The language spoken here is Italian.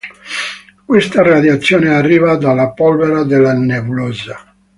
Questa radiazione arriva dalla polvere della nebulosa.